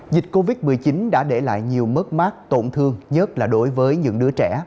dịch covid một mươi chín đã để lại nhiều mất mát tổn thương nhất là đối với những đứa trẻ